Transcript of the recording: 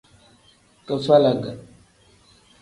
Kifalag.